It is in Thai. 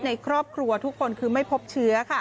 ในครอบครัวทุกคนคือไม่พบเชื้อค่ะ